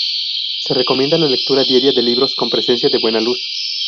Se recomienda la lectura diaria de libros con presencia de buena luz.